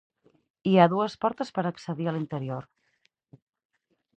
Hi ha dues portes per accedir a l'interior.